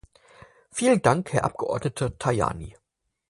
Vielen Dank, Herr Abgeordneter Tajani.